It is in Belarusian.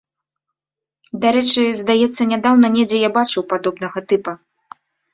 Дарэчы, здаецца, нядаўна недзе я бачыў падобнага тыпа.